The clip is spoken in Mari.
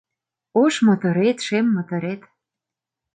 Ош моторет, шем моторет